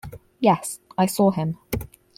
Yes, I saw him.